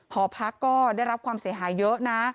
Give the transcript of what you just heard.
หอพักก็ได้รับความเสียหายเยอะนะ